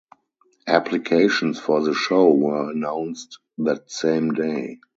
Applications for the show were announced that same day.